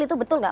itu betul tidak